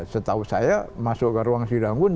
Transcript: setahu saya masuk ke ruang sidang pun